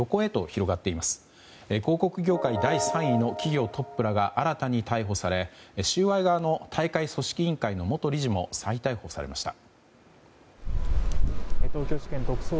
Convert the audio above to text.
広告業界第３位の企業トップらが新たに逮捕され収賄側の大会組織委員会の元理事も再逮捕されました。